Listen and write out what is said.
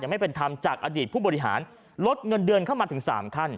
ไม่เป็นธรรมจากอดีตผู้บริหารลดเงินเดือนเข้ามาถึง๓ขั้น